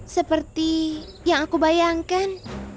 seperti yang aku bayangkan